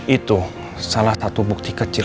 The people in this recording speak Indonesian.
itu salah satu bukti kecil